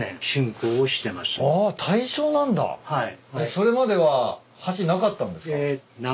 それまでは橋なかったんですか？